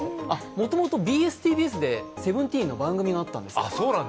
もともとＢＳ−ＴＢＳで「Ｓｅｖｅｎｔｅｅｎ」の番組があったんですよ。